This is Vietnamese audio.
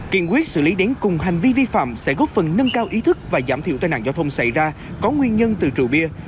kiện quyết xử lý đến cùng hành vi vi phạm sẽ góp phần nâng cao ý thức và giảm thiểu tai nạn giao thông xảy ra có nguyên nhân từ trụ bia